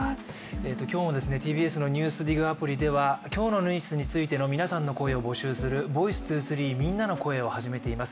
今日もＴＢＳの「ＮＥＷＳＤＩＧ」アプリでは、今日のニュースについての皆さんの声を募集する「ｖｏｉｃｅ２３みんなの声」を始めています。